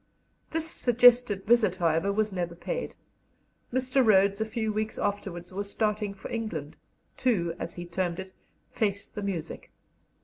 This suggested visit, however, was never paid; Mr. Rhodes a few weeks afterwards was starting for England, to, as he termed it, "face the music."